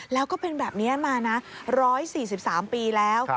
แล้วก็เป็นแบบนี้มานะ๑๔๓ปีแล้ว